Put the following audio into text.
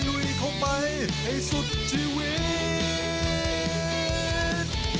ลุยเข้าไปให้สุดชีวิต